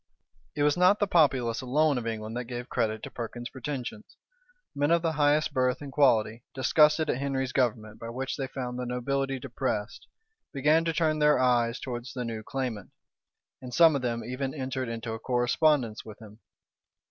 It was not the populace alone of England that gave credit to Perkin's pretensions. Men of the highest birth and quality, disgusted at Henry's government, by which they found the nobility depressed, began to turn their eyes towards the new claimant; and some of them even entered into a correspondence with him.